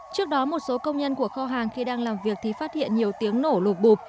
trước đó một số công nhân của kho hàng khi đang làm việc thì phát hiện nhiều tiếng nổ lột bụp